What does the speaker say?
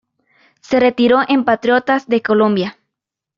Se retiró en Patriotas de Colombia.